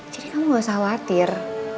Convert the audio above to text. jadi kamu gak usah khawatir